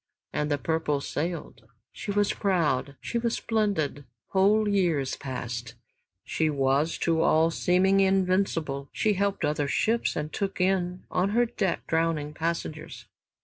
And "The Purple" sailed; she was proud, she was splendid. Whole years passed she was to all seeming invincible, she helped other ships and took in on her deck drowning passengers.